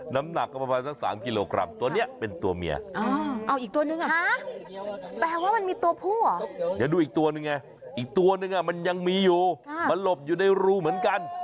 น้ำหนักก็ประมาณสัก๓กิโลกรัมตัวนี้เป็นตัวเมียอีกตัวนึงอ่ะอีกตัวนึงมันยังมีอยู่มันหลบอยู่ในรูเหมือนกัน